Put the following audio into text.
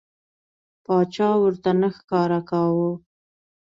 باچا ورته نه ښکاره کاوه.